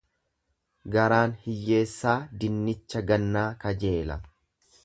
Garaan hiyyeessaa dinnicha gannaa kajeela.